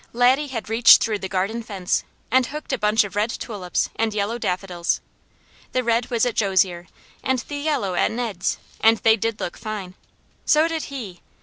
Laddie had reached through the garden fence and hooked a bunch of red tulips and yellow daffodils. The red was at Jo's ear, and the yellow at Ned's, and they did look fine. So did he!